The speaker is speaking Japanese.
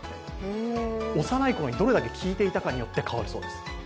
幼いころにどれだけ聞いていたかによって変わるそうです。